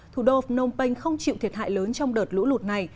thủ đô phnom penh không chịu thiệt hại lớn trong đợt lũ lụt này